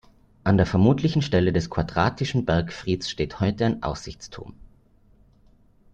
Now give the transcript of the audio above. An der vermutlichen Stelle des quadratischen Bergfrieds steht heute ein Aussichtsturm.